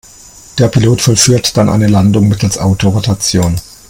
Der Pilot vollführt dann eine Landung mittels Autorotation.